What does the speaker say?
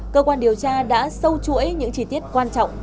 cơ quan điều tra đã sâu chuỗi những chi tiết quan trọng